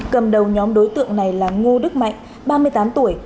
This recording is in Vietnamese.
cầm đầu nhóm đối tượng này là ngô đức mạnh ba mươi tám tuổi